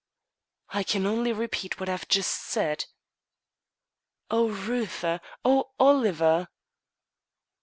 "I can only repeat what I have just said." "Oh, Reuther! Oh, Oliver!"